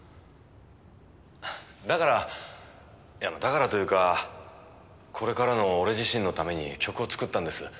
だからいやだからというかこれからの俺自身のために曲を作ったんです。